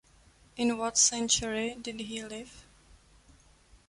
In what century did he live?